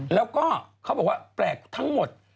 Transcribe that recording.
แล้วก็เขาบอกว่าแปลกทั้งหมด